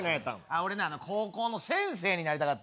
俺ね、高校の先生になりたかった。